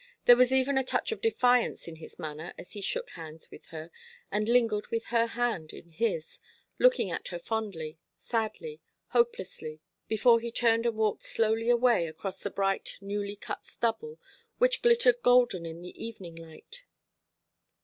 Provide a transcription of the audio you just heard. There was even a touch of defiance in his manner as he shook hands with her, and lingered with her hand in his, looking at her fondly, sadly, hopelessly, before he turned and walked slowly away across the bright newly cut stubble, which glittered golden in the evening light.